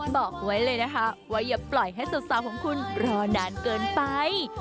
บอกไว้เลยนะคะว่าอย่าปล่อยให้สาวของคุณรอนานเกินไป